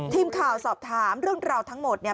ทีมข่าวสอบถามเรื่องราวทั้งหมดเนี่ย